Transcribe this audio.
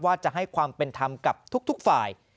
ว่าจะให้ความเป็นธรรมกับทุกฝ่าย